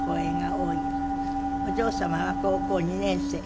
お嬢様は高校２年生。